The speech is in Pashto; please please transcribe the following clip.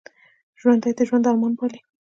ژوندي د ژوند ارمان پالي